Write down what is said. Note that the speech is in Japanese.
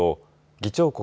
議長国